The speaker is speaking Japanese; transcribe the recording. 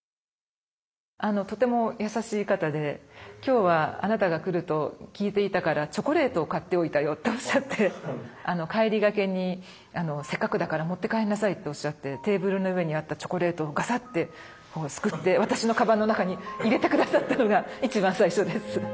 とても優しい方で今日はあなたが来ると聞いていたから帰りがけに「せっかくだから持って帰んなさい」っておっしゃってテーブルの上にあったチョコレートをガサッてすくって私のかばんの中に入れて下さったのが一番最初です。